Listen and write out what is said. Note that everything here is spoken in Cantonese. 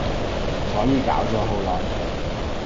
所以搞咗好耐